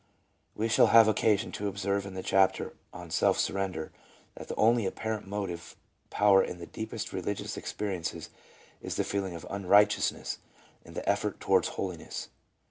We shall have occasion to observe in the chapter on self surrender that the only apparent motive power in the deepest religious experiences is the feeling of unrighteousness and the effort towards holiness.